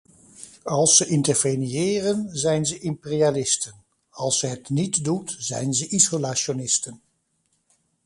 Als ze interveniëren, zijn ze imperialisten, als ze het niet doet, zijn ze isolationisten.